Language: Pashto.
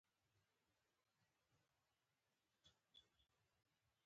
سنیان هم هلته اوسیږي.